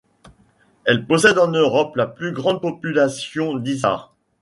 Elle possède en Europe la plus grande population d'isards.